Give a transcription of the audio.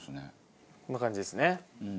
こんな感じですね。